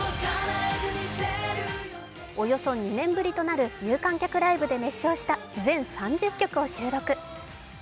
およそ２年ぶりとなる有観客ライブで熱唱した全３０曲を収録。